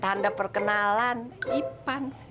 tanda perkenalan ipan